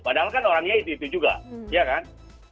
padahal kan orangnya itu itu juga ya kan